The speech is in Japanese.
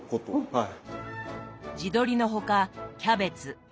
はい。